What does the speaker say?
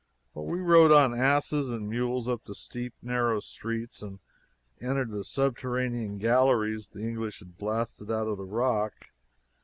We rode on asses and mules up the steep, narrow streets and entered the subterranean galleries the English have blasted out in the rock.